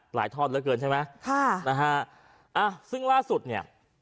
หลายท่อนเหลือเกินใช่ไหมนะฮะซึ่งล่าสุดเนี่ย